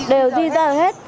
đều di rời hết